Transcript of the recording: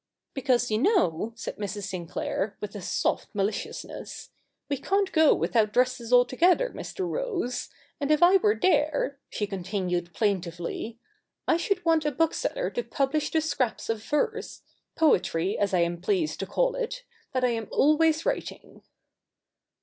' Because, you know,' said Mrs. Sinclair, with a soft maliciousness, ' we can't go without dresses altogether, Mr. Rose. And if I were there,' she continued plain tively, ' I should want a bookseller to publish the scraps of verse — poetry, as I am pleased to call it — that I am always writing.'